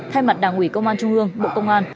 thay mặt đảng ủy công an trung ương bộ công an